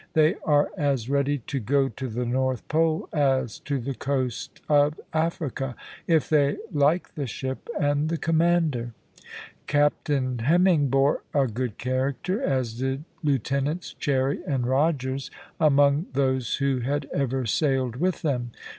They are as ready to go to the North Pole as to the coast of Africa, if they like the ship and the commander. Captain Hemming bore a good character, as did Lieutenants Cherry and Rogers, among those who had ever sailed with them.